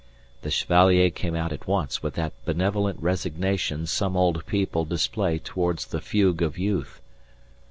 The Chevalier came out at once with that benevolent resignation some old people display towards the fugue of youth.